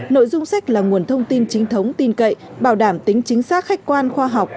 nội dung sách là nguồn thông tin chính thống tin cậy bảo đảm tính chính xác khách quan khoa học